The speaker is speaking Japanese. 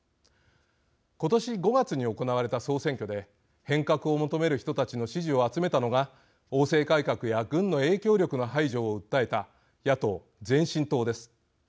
今年５月に行われた総選挙で変革を求める人たちの支持を集めたのが王制改革や軍の影響力の排除を訴えた野党前進党です。